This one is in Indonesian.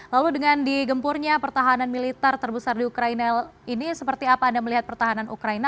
lalu dengan digempurnya pertahanan militer terbesar di ukraina ini seperti apa anda melihat pertahanan ukraina